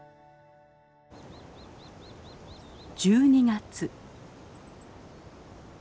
１２月。